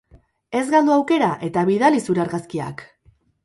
Ez galdu aukera, eta bidali zure argazkiak!